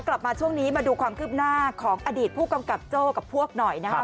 กลับมาช่วงนี้มาดูความคืบหน้าของอดีตผู้กำกับโจ้กับพวกหน่อยนะครับ